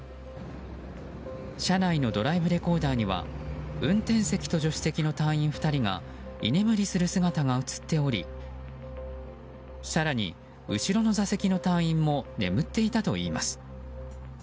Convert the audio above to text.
車内のドライブレコーダーには運転席と助手席の隊員２人が居眠りする姿が映っており更に、後ろの座席の隊員も眠っていたといいます。